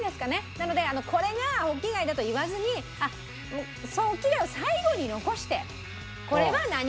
なのでこれがホッキ貝だと言わずにホッキ貝を最後に残して「これは何貝です」